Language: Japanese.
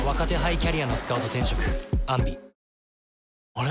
あれ？